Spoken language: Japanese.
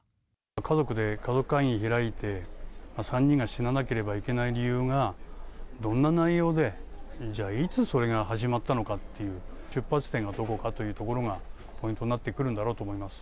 家族で家族会議開いて、３人が死ななければいけない理由が、どんな内容で、じゃあ、いつそれが始まったのかっていう、出発点がどこかということがポイントになってくるんだろうと思います。